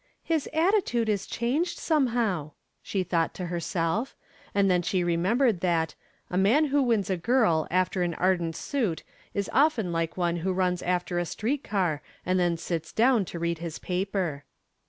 "His attitude is changed somehow," she thought to herself, and then she remembered that "a man who wins a girl after an ardent suit is often like one who runs after a street car and then sits down to read his paper."